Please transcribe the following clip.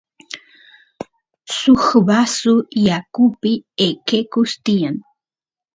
suk vasu yakupi eqequs tiyan